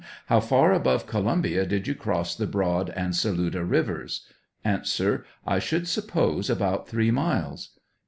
How far above Columbia did you cross the Broad and Saluda rivers? A. I should suppose about th"ree miles.